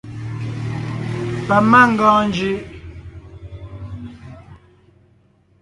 Pamangɔɔn njʉʼ.